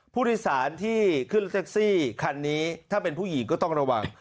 ผู้โดยสารที่ขึ้นรถแท็กซี่คันนี้ถ้าเป็นผู้หญิงก็ต้องระวัง